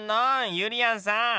ゆりやんさん！